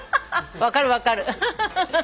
分かる分かる。